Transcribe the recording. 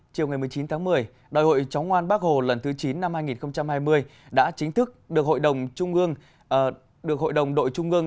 chiều một mươi chín một mươi đại hội chóng oan bắc hồ lần thứ chín năm hai nghìn hai mươi đã chính thức được hội đồng đội trung ương